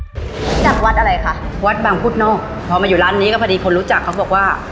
รู้จักวัดอะไรคะวัดบางพุทธนอกพอมาอยู่ร้านนี้ก็พอดีคนรู้จักเขาบอกว่า